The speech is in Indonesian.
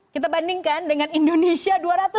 kita bandingkan dengan indonesia